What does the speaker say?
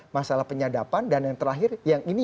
masalah penyadapan dan yang terakhir yang ini